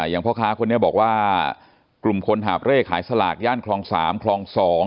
อย่างพ่อค้าคนนี้บอกว่ากลุ่มคนหาบเร่ขายสลากย่านคลอง๓คลอง๒